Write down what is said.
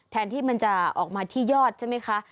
แทนที่มันจะออกมาที่ยอดใช่ไหมคะ